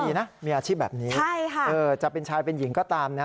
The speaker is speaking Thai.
มีนะมีอาชีพแบบนี้จะเป็นชายเป็นหญิงก็ตามนะ